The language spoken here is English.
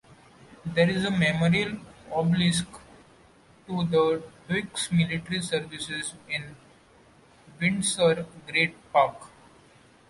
There is a memorial obelisk to the Duke's military services in Windsor Great park.